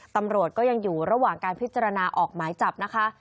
ตำรวจก็ยังอยู่ระหว่างการพิจารณาออกหมายจับนะคะ